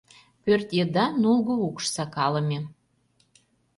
Пӧрт еда нулго укш сакалыме.